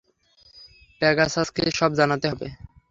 প্যাগাসাসকে সব জানাতে হবে!